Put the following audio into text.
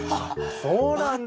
そうなんだ。